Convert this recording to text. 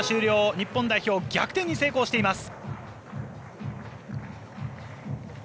日本代表、逆転に成功しています。